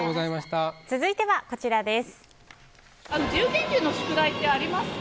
続いてはこちらです。